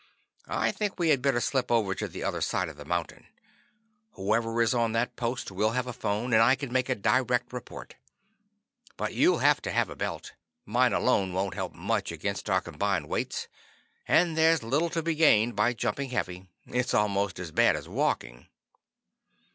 I think we had better slip over to the other side of the mountain. Whoever is on that post will have a phone, and I can make a direct report. But you'll have to have a belt. Mine alone won't help much against our combined weights, and there's little to be gained by jumping heavy. It's almost as bad as walking."